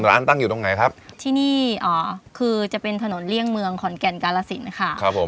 ตั้งอยู่ตรงไหนครับที่นี่อ่าคือจะเป็นถนนเลี่ยงเมืองขอนแก่นกาลสินค่ะครับผม